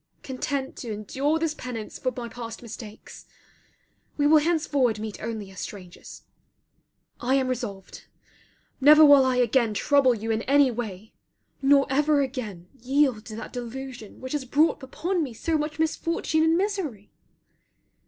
Content to endure this penance for my past mistakes. We will henceforward meet only as strangers. I am resolved. Never will I again trouble you in any way; nor ever again yield to that delusion which has brought upon me so much misfortune and misery.